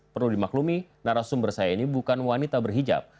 perlu dimaklumi narasumber saya ini bukan wanita berhijab